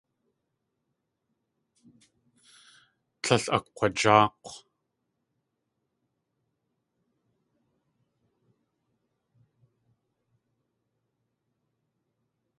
Tlél akg̲wajáak̲w.